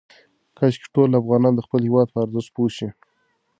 کاشکې ټول افغانان د خپل هېواد په ارزښت پوه شي.